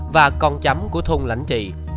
và con chấm của thôn lãnh trì